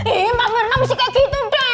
iya mbak mirna masih kayak gitu dah